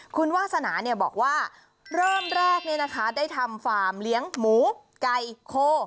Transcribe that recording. คุณวาสนาบอกว่าเริ่มแรกได้ทำฟาร์มเลี้ยงหมูไก่โค